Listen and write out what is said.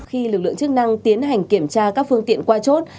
khi lực lượng chức năng tiến hành kiểm tra các phương tiện qua chốt